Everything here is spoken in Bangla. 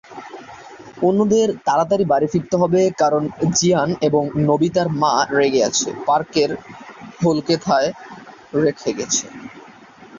অন্যদের তাড়াতাড়ি বাড়ি ফিরতে হবে কারণ জিয়ান এবং নোবিতার মা রেগে আছে, পার্কের হোলকোথায় রেখে গেছে।